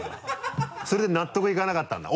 それで納得いかなかったんだ。